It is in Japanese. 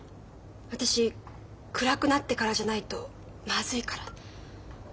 私暗くなってからじゃないとまずいから。